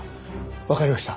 わかりました。